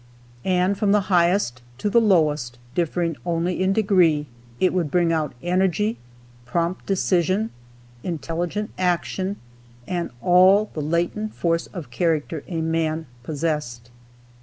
And, from the highest to the lowest, differing only in degree, it would bring out energy, prompt decision, intelligent action, and all the latent force of character a man possessed.